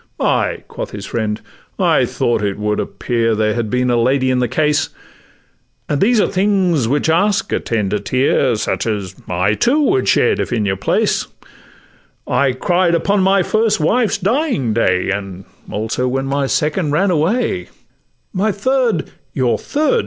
'Ay,' quoth his friend, 'I thought it would appear That there had been a lady in the case; And these are things which ask a tender tear, Such as I, too, would shed if in your place: I cried upon my first wife's dying day, And also when my second ran away: 'My third '—'Your third!